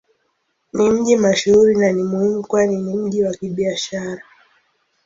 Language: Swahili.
Ni mji mashuhuri na ni muhimu kwani ni mji wa Kibiashara.